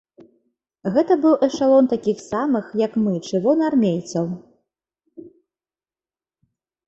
Гэта быў эшалон такіх самых, як мы, чырвонаармейцаў.